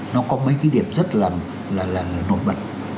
nó có mấy cái điểm rất là nổi bật